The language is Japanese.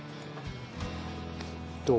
どう？